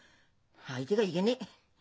相手がいげねえ。